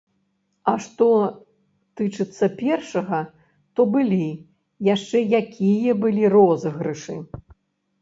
А што тычыцца першага, то былі, яшчэ якія былі розыгрышы!